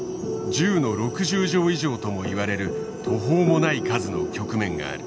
１０の６０乗以上ともいわれる途方もない数の局面がある。